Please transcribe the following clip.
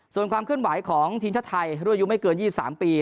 ส่วนความเคลื่อนไหวของทีมชาติไทยรุ่นอายุไม่เกิน๒๓ปี